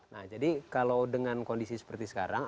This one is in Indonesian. nah jadi kalau dengan kondisi seperti sekarang